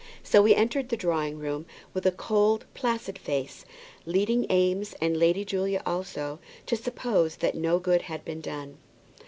So he entered the drawing room with a cold, placid face, leading Eames, and Lady Julia also, to suppose that no good had been done.